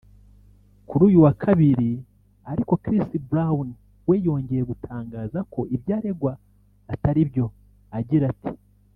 Kuri uyu wa Kabiri ariko Chris Brown we yongeye gutangaza ko ibyo aregwa atari byo agira ati